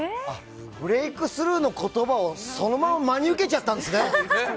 ブレークスルーの言葉をそのまま真に受けちゃたんですね。